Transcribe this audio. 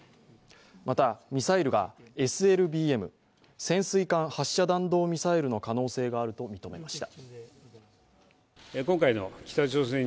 また、ミサイルがＳＬＢＭ＝潜水艦発射弾道ミサイルの可能性があると認めました。